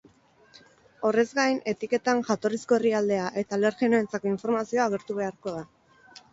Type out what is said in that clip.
Horrez gain, etiketan jatorrizko herrialdea eta alergenoentzako informazioa agertu beharko da.